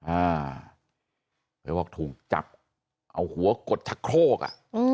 อ้าวเพราะว่าถูกจับเอาหัวกดชะโครกอ่ะ